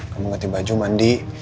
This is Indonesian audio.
kamu ngerti baju mandi